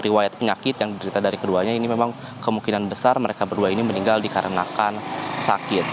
riwayat penyakit yang diderita dari keduanya ini memang kemungkinan besar mereka berdua ini meninggal dikarenakan sakit